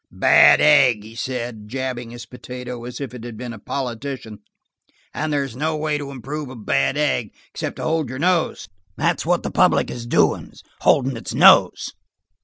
"Bad egg," he said, jabbing his potato as if it had been a politician, "and there's no way to improve a bad egg except to hold your nose. That's what the public is doing; holding its nose."